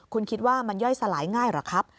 คุณคิดว่ามันย่อยสลายง่ายหรือครับ